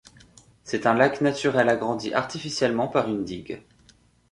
C'est un lac naturel agrandi artificiellement par une digue.